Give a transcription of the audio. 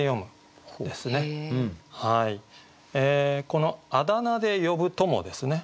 この「あだ名で呼ぶ友」ですね